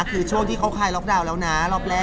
คือช่วงที่เขากลายล็อคดาวน์แล้วนะ